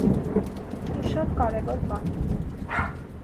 - Մի շատ կարևոր բան: